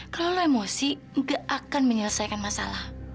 kalau lu emosi nggak akan menyelesaikan masalah